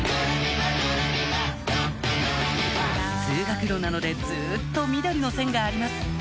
通学路なのでずっと緑の線があります